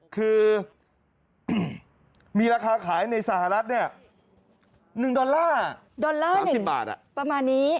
คือมีราคาขายในสหรัฐ๑ดอลลาร์ดอลลาร์๓๐บาทประมาณนี้